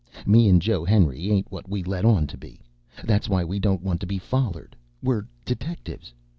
Me an' Joe Henry ain't what we let on to be. That's why we don't want to be follered. We're detectives.